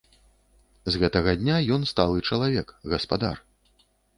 З гэтага дня ён сталы чалавек, гаспадар.